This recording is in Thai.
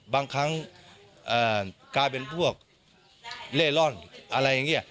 บางครั้งกลายเป็นพวกเล่ร่อนอะไรอย่างนี้